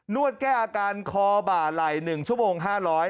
วดแก้อาการคอบ่าไหล่๑ชั่วโมง๕๐๐